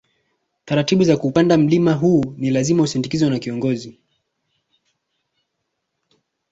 Taratibu za kuupanda milima hii ni lazima usindikizwe na kiongozi